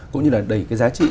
cũng như là đẩy cái giá trị